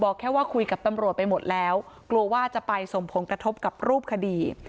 แค่ว่าคุยกับตำรวจไปหมดแล้วกลัวว่าจะไปส่งผลกระทบกับรูปคดี